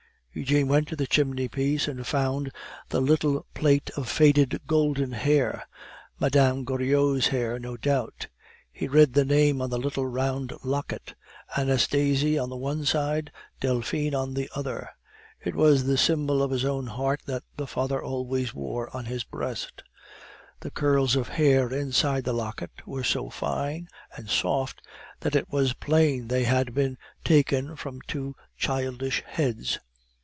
Eugene went to the chimney piece and found the little plait of faded golden hair Mme. Goriot's hair, no doubt. He read the name on the little round locket, ANASTASIE on the one side, DELPHINE on the other. It was the symbol of his own heart that the father always wore on his breast. The curls of hair inside the locket were so fine and soft that is was plain they had been taken from two childish heads.